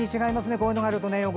こういうのがあると。